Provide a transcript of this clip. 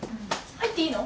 入っていいの？